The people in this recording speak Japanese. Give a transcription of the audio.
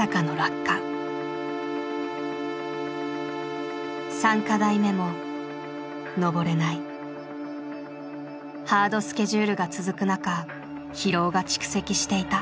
ハードスケジュールが続く中疲労が蓄積していた。